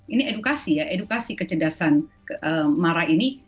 ini edukasi ya edukasi kecerdasan mara ini